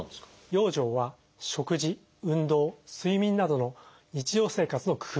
養生は食事運動睡眠などの日常生活の工夫です。